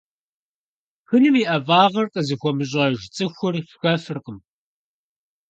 Шхыным и ӀэфӀагъыр къызыхуэмыщӀэж цӀыхур шхэфыркъым.